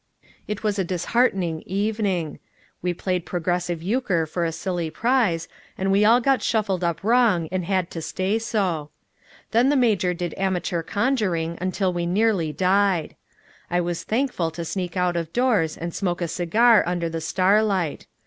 It was a disheartening evening. We played progressive uchre for a silly prize, and we all got shuffled up wrong and had to stay so. Then the major did amateur conjuring till we nearly died. I was thankful to sneak out of doors and smoke a cigar under the starlight.